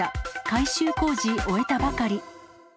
改修工事終えたばかり。